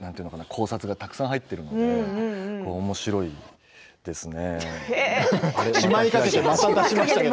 当時の方々の考察がたくさん入っているのでおもしろいですね。